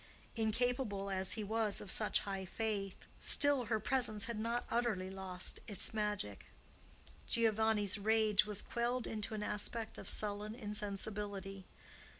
Incapable as he was of such high faith, still her presence had not utterly lost its magic. Giovanni's rage was quelled into an aspect of sullen insensibility.